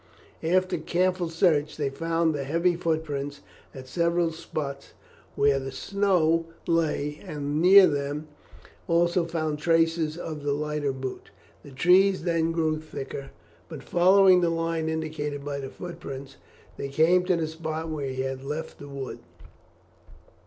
After careful search they found the heavy footprints at several spots where the snow lay, and near them also found traces of the lighter boots. The trees then grew thicker, but following the line indicated by the footprints, they came to the spot where he had left the wood.